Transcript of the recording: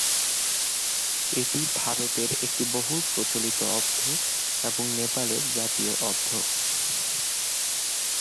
এটি ভারতের একটি বহুল প্রচলিত অব্দ এবং নেপালের জাতীয় অব্দ।